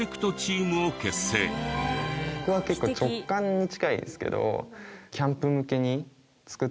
僕は結構直感に近いですけど。